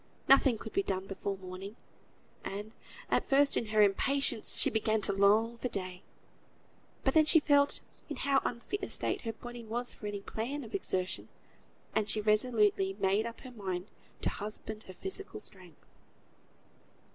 Nothing could be done before morning: and, at first in her impatience, she began to long for day; but then she felt in how unfit a state her body was for any plan of exertion, and she resolutely made up her mind to husband her physical strength.